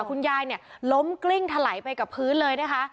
คุณยายเนี่ยล้มกลิ้งถลายไปกับพื้นเลยนะคะ